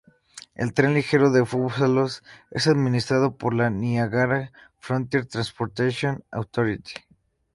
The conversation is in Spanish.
El Tren Ligero de Búfalo es administrado por la Niagara Frontier Transportation Authority.